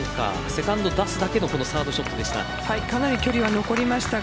セカンド出すだけのサードショットでした。